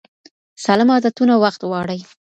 سالم عادتونه وخت غواړي.